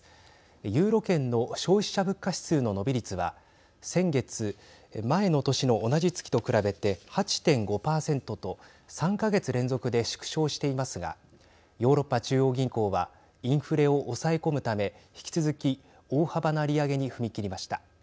ユーロ圏の消費者物価指数の伸び率は先月、前の年の同じ月と比べて８．５％と３か月連続で縮小していますがヨーロッパ中央銀行はインフレを抑え込むため引き続き大幅な利上げに踏み切りました。